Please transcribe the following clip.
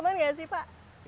bisa dilihatkan ya pak